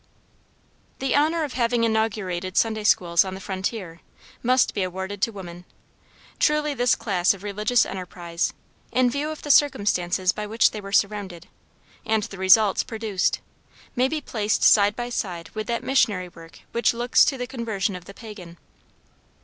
The honor of having inaugurated Sunday schools on the frontier, must be awarded to woman. Truly this class of religious enterprises, in view of the circumstances by which they were surrounded, and the results produced, may be placed side by side with that missionary work which looks to the conversion of the pagan.